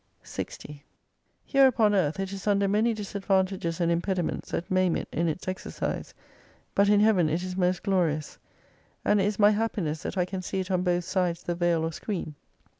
60 Here upon Earth, it is under many disadvantages and impediments that maim it in its exercise, but in Heaven it is most glorious. And it is my happiness that I can see it on both sides the veil or screen.